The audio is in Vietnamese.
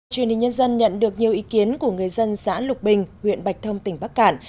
truyền hình nhân dân nhận được nhiều ý kiến của người dân xã lục bình huyện bạch thông tỉnh bắc cạn